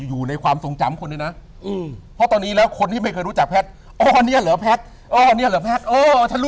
รู้จักก็มารู้จักเต็มไปหมดเลย